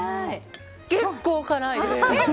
結構辛いです。